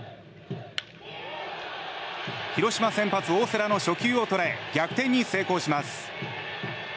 広島先発、大瀬良の初球を捉え逆転に成功します。